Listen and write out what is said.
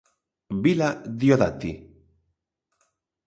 Vila Diodati.